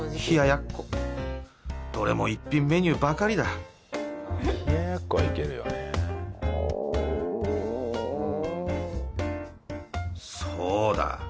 どれも一品メニューばかりだそうだ